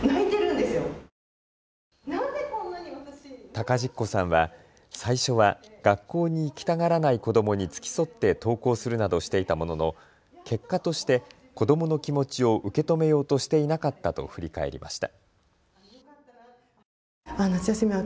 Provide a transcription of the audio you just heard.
高実子さんは最初は学校に行きたがらない子どもに付き添って登校するなどしていたものの結果として子どもの気持ちを受け止めようとしていなかったと振り返りました。